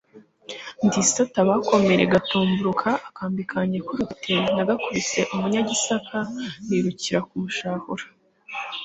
ndi isata bakomera igatumburuka, akambi kanjye k'urutete nagakubise umunyagisaka, nirukira kumushahura